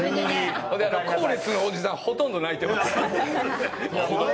後列のおじさん、ほとんど泣いてます。